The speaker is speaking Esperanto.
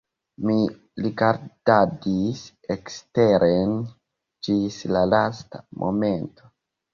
Mi rigardadis eksteren ĝis la lasta momento.